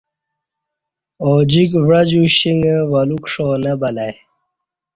ا جیک وعجو شیݩگی ولوک ݜاں نہ بلہ ای